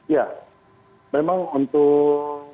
ya memang untuk